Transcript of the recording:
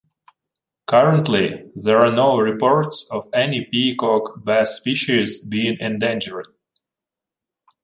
Currently, there are no reports of any peacock bass species being endangered.